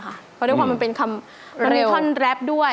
เพราะด้วยความมันเป็นคำเร็วมันมีท่อนแร็ปด้วย